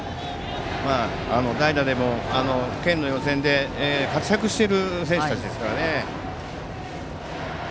代打でも県予選で活躍している選手ですからね。